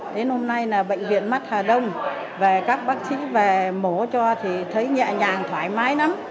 đến hôm nay là bệnh viện mắt hà đông về các bác sĩ về mổ cho thì thấy nhẹ nhàng thoải mái lắm